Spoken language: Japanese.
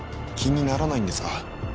気にならないんですか？